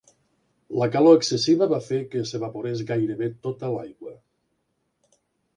La calor excessiva va fer que s'evaporés gairebé tota l'aigua.